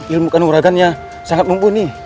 ilmukan uragannya sangat mumpuni